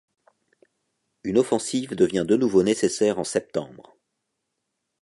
Une offensive devient de nouveau nécessaire en septembre.